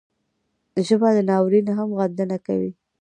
ژبه د ناورین هم غندنه کوي